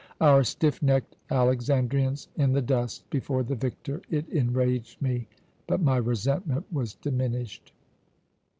Our stiff necked Alexandrians in the dust before the victor! It enraged me, but my resentment was diminished.